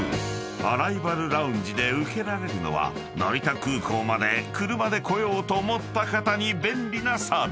ＡＲＲＩＶＡＬＬＯＵＮＧＥで受けられるのは成田空港まで車で来ようと思った方に便利なサービス］